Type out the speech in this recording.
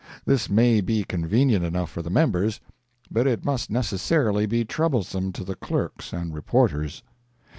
This may be convenient enough for the members, but it must necessarily be troublesome to the clerks and reporters.